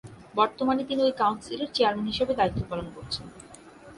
বর্তমানে তিনি ওই কাউন্সিলের চেয়ারম্যান হিসাবে দায়িত্ব পালন করছেন।